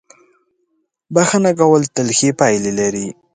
• بښنه کول تل ښې پایلې لري.